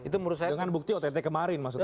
dengan bukti ott kemarin maksud anda